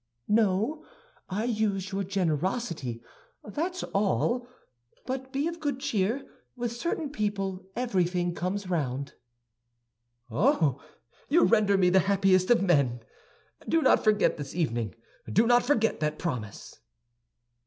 "No, I use your generosity, that's all. But be of good cheer; with certain people, everything comes round." "Oh, you render me the happiest of men! Do not forget this evening—do not forget that promise."